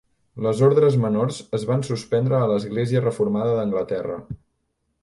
Les ordres menors es van suspendre a l'església reformada d'Anglaterra.